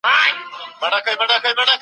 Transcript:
په سياستپوهنه کي هيڅ شی هم مطلق نه دی.